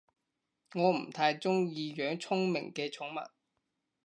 我唔太鍾意養聰明嘅寵物